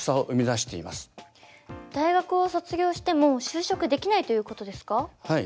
大学を卒業しても就職できないということですか？